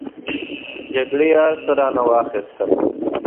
جګړې هر څه رانه واخستل.